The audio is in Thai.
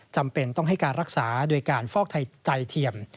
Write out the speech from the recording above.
จำเป็นต้องให้การรักษาโดยการฟอกไตเทียม